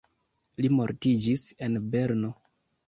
Li mortiĝis en Berno.